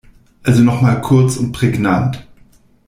Also noch mal kurz und prägnant.